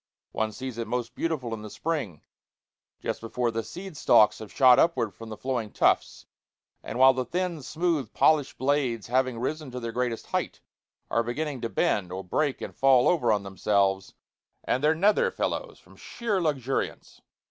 One sees it most beautiful in the spring, just before the seed stalks have shot upward from the flowing tufts, and while the thin, smooth, polished blades, having risen to their greatest height, are beginning to bend, or break and fall over on themselves and their nether fellows from sheer luxuriance.